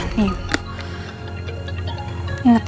ada preparing apa